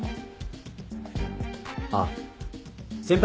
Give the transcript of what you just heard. あっ先輩